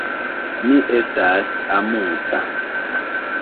Mi estas amuza.